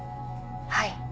はい